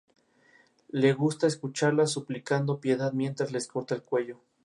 Sus defensores lo veían como un imperio mundial incluyente, basado en principios religiosos.